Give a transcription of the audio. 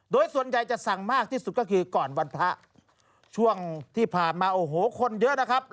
โดยส่วนใหญ่จะสั่งมากที่สุดก็คือก่อนวันพระช่วงที่ผ่านมาโอ้โหคนเยอะนะครับ